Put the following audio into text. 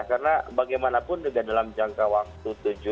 karena bagaimanapun juga dalam jangka waktunya